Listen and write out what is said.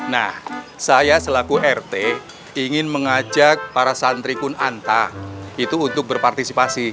nah saya selaku rt ingin mengajak para santri pun anta itu untuk berpartisipasi